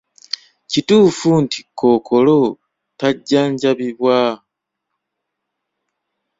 Kituufu nti kkookolo tajjanjabibwa?